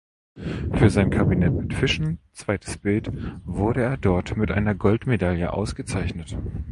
Für sein "Kabinett mit Fischen" (zweites Bild) wurde er dort mit einer Goldmedaille ausgezeichnet.